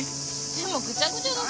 でもぐちゃぐちゃだし。